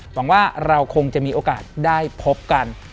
หวังว่าเราคงจะมีโอกาสได้พบกัน